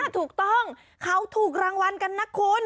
ถูกต้องเขาถูกรางวัลกันนะคุณ